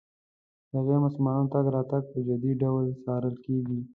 د غیر مسلمانانو تګ راتګ په جدي ډول څارل کېږي.